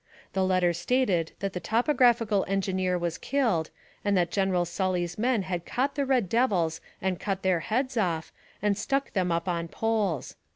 The letter stated that the topographical engineer was killed, and that General Sully's men had caught the red devils and cut their heads off, and stuck them up on poles.